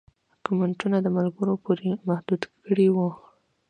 کمنټونه د ملګرو پورې محدود کړي وو